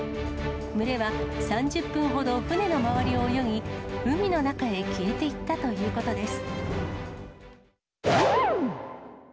群れは３０分ほど船の周りを泳ぎ、海の中へ消えていったということです。